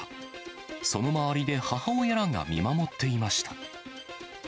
その周りで母親らが見守っていました。